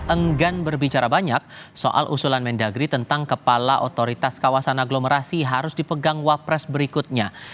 enggan berbicara banyak soal usulan mendagri tentang kepala otoritas kawasan aglomerasi harus dipegang wapres berikutnya